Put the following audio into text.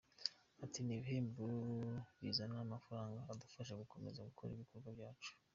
Ati “Ni ibihembo bizana n’amafaranga adufasha gukomeza gukora ibikorwa byacu.